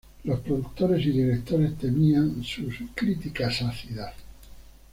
Los productores y directores temían sus "críticas ácidas".